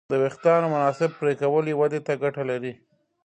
د وېښتیانو مناسب پرېکول یې ودې ته ګټه لري.